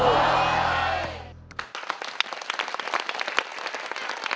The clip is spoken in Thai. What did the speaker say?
ผิดครับลูก